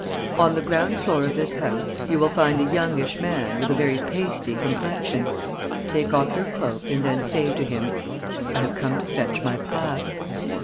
"On the ground floor of this house, you will find a youngish man with a very pasty complexion. Take off your cloak and then say to him: "'I have come to fetch my clasp.'